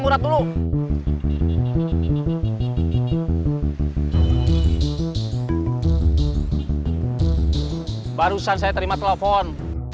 barusan saya terima telepon